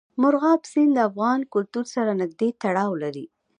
مورغاب سیند د افغان کلتور سره نږدې تړاو لري.